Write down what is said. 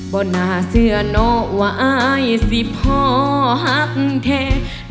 บ่นาเสือหนอกไว้สิพ่อฮักแท้